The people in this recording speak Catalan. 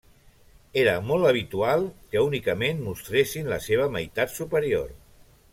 Era molt habitual que únicament mostressin la seva meitat superior.